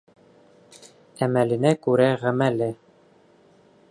Әмәленә күрә ғәмәле